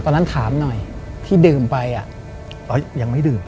ถามหน่อยที่ดื่มไปยังไม่ดื่ม